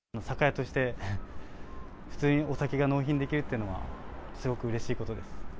酒屋として普通にお酒が納品できるっていうのは、すごくうれしいことです。